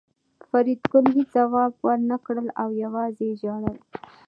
فریدګل هېڅ ځواب ورنکړ او یوازې یې ژړل